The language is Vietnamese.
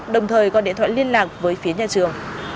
đồng thời gọi điện thoại liên lạc với phía nhà trường